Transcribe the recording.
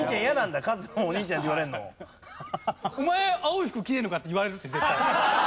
「お前青い服着ねえのか？」って言われるって絶対。